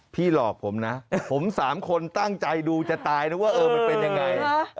หลอกผมนะผมสามคนตั้งใจดูจะตายนะว่าเออมันเป็นยังไง